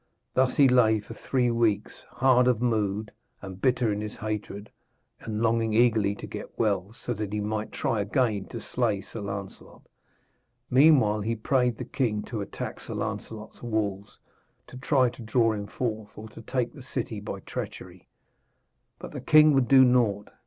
Thus he lay for three weeks, hard of mood and bitter in his hatred, and longing eagerly to get well, so he might try again to slay Sir Lancelot. Meanwhile he prayed the king to attack Sir Lancelot's walls, to try to draw him forth, or to take the city by treachery. But the king would do naught.